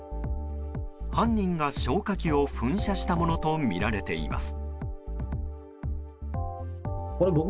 犯人が消火器を噴射したものとみられています。